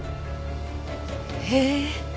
へえ。